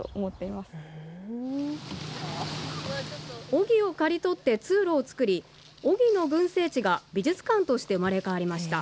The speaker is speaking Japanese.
オギを刈り取って通路をつくりオギの群生地が美術館として生まれ変わりました。